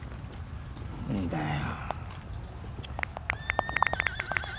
何だよ。